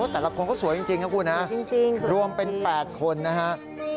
แต่ละคนก็สวยจริงนะคุณฮะรวมเป็น๘คนนะฮะ